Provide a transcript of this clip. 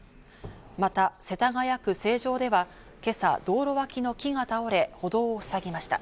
また世田谷区成城では今朝、道路脇の木が倒れ、歩道をふさぎました。